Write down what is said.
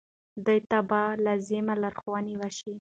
دوی ته باید لازمې لارښوونې وشي.